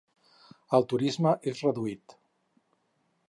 El turisme és reduït.